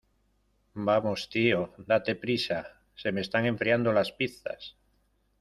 ¡ Vamos, tío , date prisa! ¡ se me están enfriando las pizzas !